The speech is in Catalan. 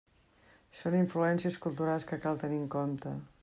Són influències culturals que cal tenir en compte.